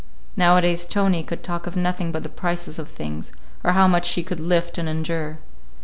Nowadays Tony could talk of nothing but the prices of things, or how much she could lift and endure.